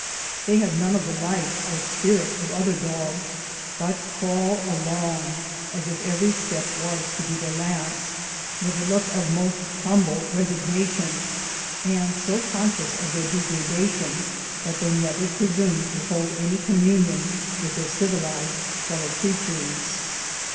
They have none of the life or spirit of other dogs, but crawl along as if every step was to be their last, with a 132 THE GOLD HUNTERS look of most humble resignation, and so conscious of their degradation that they never presume to hold any communion with their civilized fellow creatures.